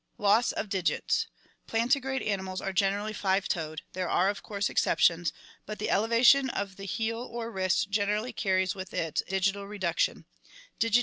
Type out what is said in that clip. Loss of Digits. — Plantigrade animals are generally five toed; there are of course excep tions, but the elevation of the heel or wrist gen erally carries with it digital reduction, digiti Fig.